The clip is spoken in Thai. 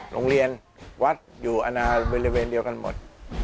โรงเรียนวัดอาณารายุะระเบียนเหลือกันหมด